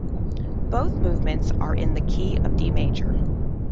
Both movements are in the key of D major.